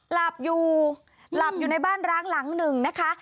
หลับอยู่หลับอยู่ในบ้านร้างหลังหนึ่งนะคะ